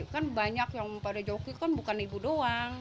kan banyak yang pada joki kan bukan ibu doang